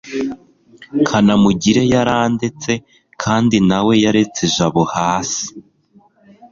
kanamugire yarandetse kandi nawe yaretse jabo hasi